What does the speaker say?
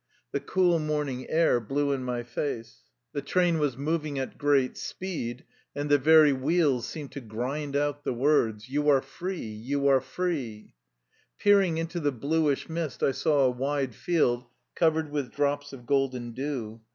The cool morning air blew in my face. The train was moving at great speed, and the very wheels seemed to grind out the words: " You are f ree ! You are f ree !" Peering into the l)luish mist I saw a wide field covered with drops of golden dew.